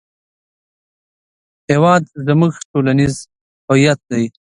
هېواد زموږ ټولنیز هویت دی